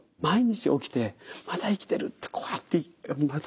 毎日起きて「まだ生きてる」ってこうやって。